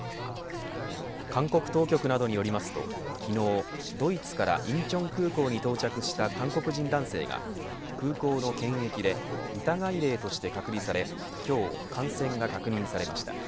韓国当局などによりますと昨日、ドイツから仁川空港に到着した韓国人男性が空港の検疫で疑い例として隔離され今日、感染が確認されました。